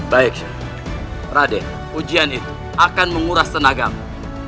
baik raden ujian itu akan menguras tenagamu